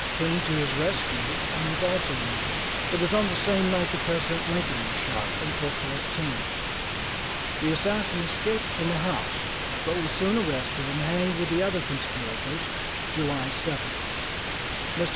came to his rescue and was also injured. It was on the same night that President Lincoln was shot, April 14. The assassin escaped from the house, but was soon arrested and hanged with the other conspirators, July 7. Mr.